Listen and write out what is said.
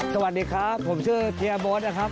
สวัสดีครับผมชื่อเฮียโบ๊ทนะครับ